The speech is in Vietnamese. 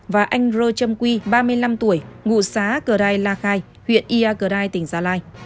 và anh rơ trâm quy ba mươi năm tuổi ngụ xá cờ đai la khai huyện ia cờ đai tỉnh gia lai